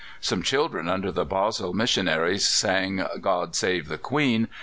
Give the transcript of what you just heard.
Some children under the Basel missionaries sang "God Save the Queen!"